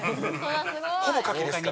ほぼカキですから。